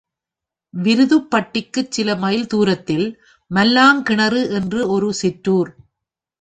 விருதுப்பட்டிக்குச் சில மைல் தூரத்தில் மல்லாங்கிணறு என்று ஒரு சிற்றுார்.